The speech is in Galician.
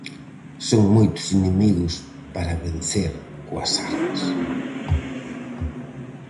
Son moitos inimigos para vencer coas armas.